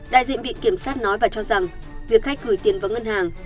đại diện bị kiểm sát nói và cho rằng việc khách gửi tiền vào ngân hàng